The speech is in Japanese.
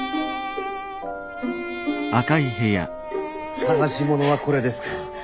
探し物はこれですか？